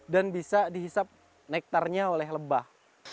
dan bisa dihisap nektarnya oleh lebah